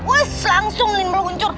wusss langsung liat meluncur